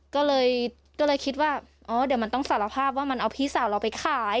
ก็เลยคิดว่าอ๋อเดี๋ยวมันต้องสารภาพว่ามันเอาพี่สาวเราไปขาย